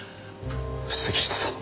杉下さん。